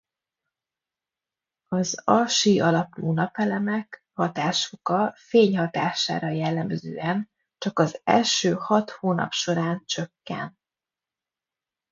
Az a-Si-alapú napelemek hatásfoka fény hatására jellemzően az első hat hónap során csökken.